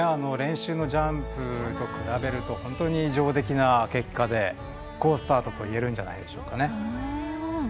練習のジャンプと比べると本当に上出来な結果で好スタートと言えるんじゃないでしょうか。